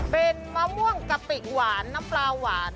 เป็นมะม่วงกะปิหวานน้ำปลาหวาน